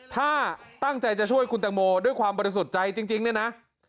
ถ้าตั้งใจจะช่วยคุณตังโมด้วยความบริสุทธิ์ใจจริงเนี่ยนะ